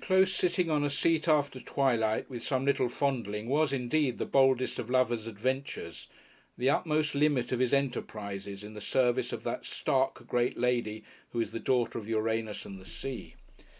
Close sitting on a seat after twilight, with some little fondling, was indeed the boldest of a lover's adventures, the utmost limit of his enterprises in the service of that stark Great Lady, who is daughter of Uranus and the sea.